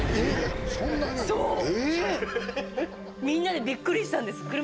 みんなでびっくりしたんです。